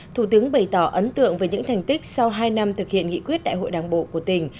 thủ tướng bày tỏ ấn tượng về những thành tích sau hai năm thực hiện nghị quyết đại hội đảng bộ của tỉnh